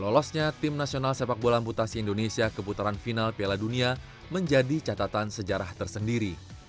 lolosnya timnasional sepak bola amputasi indonesia keputaran final piala dunia menjadi catatan sejarah tersendiri